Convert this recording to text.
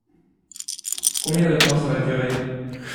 Combien de temps ça va durer ?